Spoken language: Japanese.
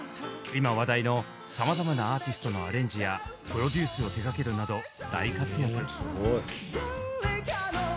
今話題のさまざまなアーティストのアレンジやプロデュースを手がけるなど大活躍。